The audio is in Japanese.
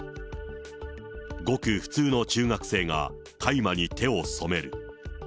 ごく普通の中学生が大麻に手を染める。